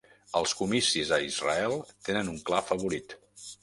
Els comicis a Israel tenen un clar favorit